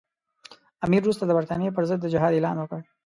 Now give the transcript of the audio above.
امیر وروسته د برټانیې پر ضد د جهاد اعلان وکړ.